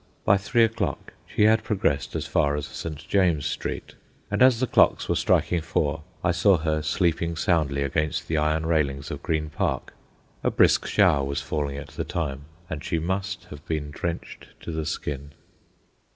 By three o'clock, she had progressed as far as St. James Street, and as the clocks were striking four I saw her sleeping soundly against the iron railings of Green Park. A brisk shower was falling at the time, and she must have been drenched to the skin.